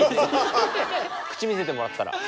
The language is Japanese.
口見せてもらったら。